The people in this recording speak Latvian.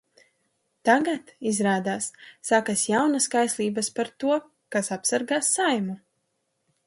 Tagad, izrādās, sākas jaunas kaislības par to, kas apsargās Saeimu.